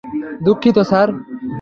দুঃখিত, স্যার!